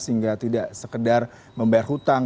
sehingga tidak sekedar membayar hutang